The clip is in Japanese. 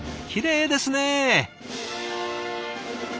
きれいですね！